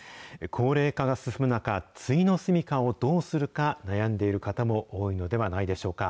高齢化が進む中、ついの住みかをどうするか悩んでいる方も多いのではないでしょうか。